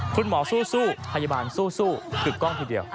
คุณหมอสู้พยาบาลสู้กึกกล้องทีเดียว